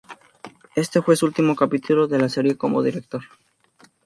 Este fue su último capítulo de la serie como director.